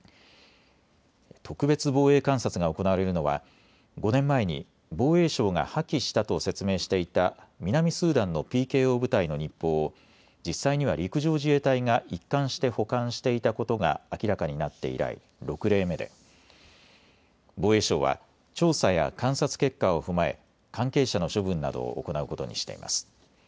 特別防衛監察が行われるのは５年前に防衛省が破棄したと説明していた南スーダンのＰＫＯ部隊の日報を実際には陸上自衛隊が一貫して保管していたことが明らかになって以来、６例目で防衛省は調査や監察結果を踏まえ関係者の処分などを行うことにしています。